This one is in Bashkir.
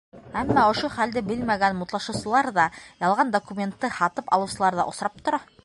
Әммә ошо хәлде белмәгән мутлашыусылар ҙа, ялған документты һатып алыусылар ҙа осрап тора.